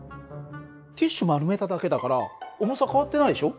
ティッシュ丸めただけだから重さ変わってないでしょ？